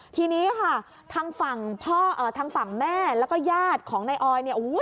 ทีนี้ค่ะทางฝั่งแม่แล้วก็ญาติของนายออย